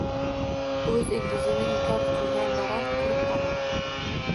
O’z ildizini inkor qilgan daraxt qurib qoladi.